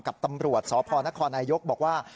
กับตำรวจสภนครรภ์นายกประเทศบอกว่า